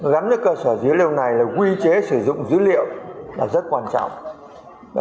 gắn với cơ sở dữ liệu này là quy chế sử dụng dữ liệu là rất quan trọng